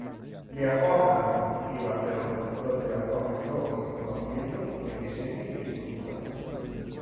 Viajó a Francia y Barcelona, donde aumentó sus conocimientos en diseño y estructuras.